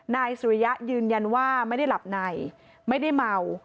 นายสุริยะยืนยันว่าไม่ได้หลับในไม่ได้เมา